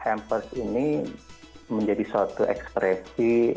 hampers ini menjadi suatu ekspresi